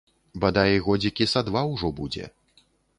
Бадай, годзікі са два ўжо будзе.